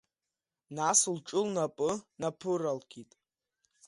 Нас лҿы лнапы наԥыралкит.